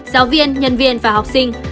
giáo viên nhân viên và học sinh